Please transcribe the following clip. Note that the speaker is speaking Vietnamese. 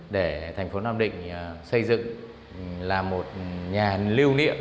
để thành phố nam định xây dựng là một nhà lưu niệm